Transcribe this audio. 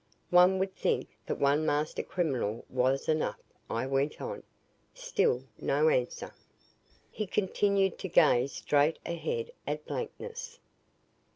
"One would think that one master criminal was enough," I went on. Still no answer. He continued to gaze straight ahead at blankness.